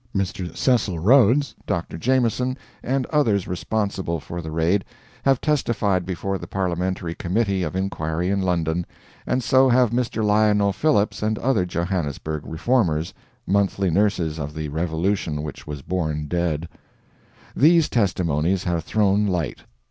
Mr. Cecil Rhodes, Dr. Jameson, and others responsible for the Raid, have testified before the Parliamentary Committee of Inquiry in London, and so have Mr. Lionel Phillips and other Johannesburg Reformers, monthly nurses of the Revolution which was born dead. These testimonies have thrown light.